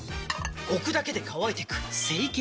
置くだけで乾いてく清潔